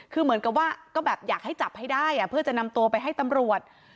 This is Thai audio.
คือเหมือนกับว่าก็แบบอยากให้จับให้ได้เพื่อจะนำตัวไปให้ตำรวจ